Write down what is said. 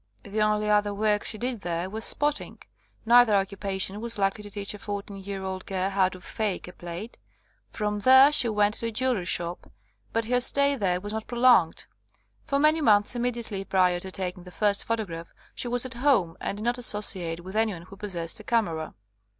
The only other work she did there was "spotting." N.either occupation was likely to teach a fourteen year old girl how to *' fake '' a plate. From there she went to a jeweller's shop, but her stay there was not prolonged. For many months immedi ately prior to taking the first photograph she was at home and did not associate with anyone who possessed a camera.